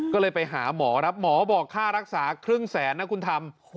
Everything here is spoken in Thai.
ก็เลยไปหาหมอครับหมอบอกค่ารักษาครึ่งแสนนะคุณทำ